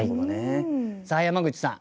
さあ山口さん